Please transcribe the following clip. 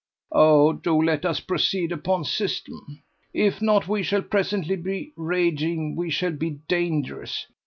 "Oh! do let us proceed upon system. If not we shall presently be rageing; we shall be dangerous.